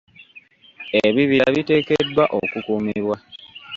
Ebibira biteekeddwa okukuumibwa.